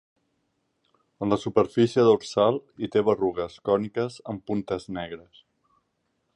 En la superfície dorsal hi té berrugues còniques amb puntes negres.